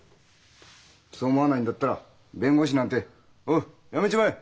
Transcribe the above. そう思わないんだったら弁護士なんてやめちまえ！